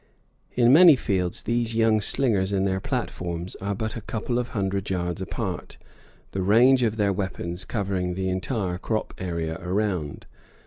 In many fields these young slingers and their platforms are but a couple of hundred yards apart, the range of their weapons covering the entire crop area around.